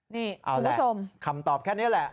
นี่คุณผู้ชมคำตอบแค่นี้แหละ